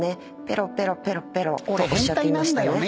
ペロペロペロペロ」とおっしゃっていましたね。